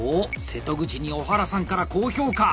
瀬戸口に小原さんから高評価！